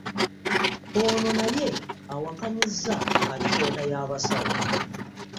Ono naye awakanyizza alipoota y'abasawo